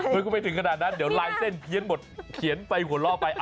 ก็ไม่ถึงขนาดนั้นเดี๋ยวลายเส้นเพี้ยนหมดเขียนไปหัวเราะไป